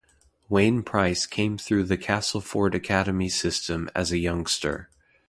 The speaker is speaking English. Waine Pryce came through the Castleford Academy system as a youngster.